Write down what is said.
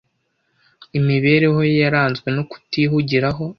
Imibereho ye yaranzwe no kutihugiraho